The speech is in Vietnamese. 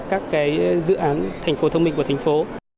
các dự án thành phố thông minh của thành phố